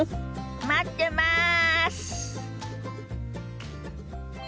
待ってます！